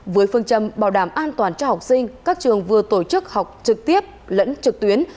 với phương châm bảo đảm an toàn cho học sinh các trường vừa tổ chức học trực tiếp lẫn trực tuyến